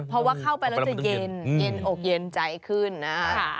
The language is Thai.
เพราะว่าเข้าไปแล้วจะเย็นเย็นอกเย็นใจขึ้นนะ